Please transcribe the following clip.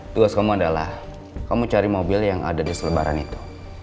tugas kamu adalah kamu cari mobil yang ada di selebaran itu